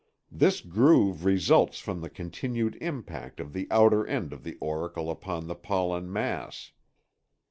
This groove results from the continued impact of the outer end of the auricle upon the pollen mass.